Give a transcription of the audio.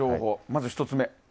まず１つ目。